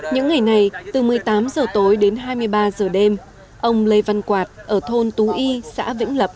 những ngày này từ một mươi tám h tối đến hai mươi ba h đêm ông lê văn quạt ở thôn tú y xã vĩnh lập